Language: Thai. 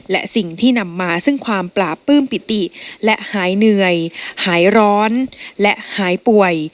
และสิ่งที่นำมาซึ่งความปราบปลื้มปิติและหายเหนื่อยหายร้อนและหายป่วย